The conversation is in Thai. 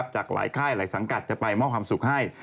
จากหลายค่ายหลายสังกัดจะไปมอบความสุขให้